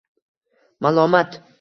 Malomat